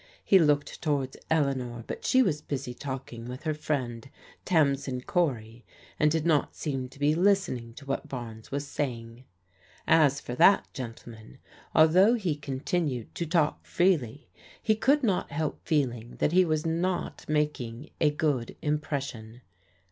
He looked towards Eleanor, but she was busy talking with her friend Tamsin Cory, and did not seem to be listening to what Barnes was saying. As for that gentleman, although he continued to talk freely, he could not help feeling that he was not making a good impression.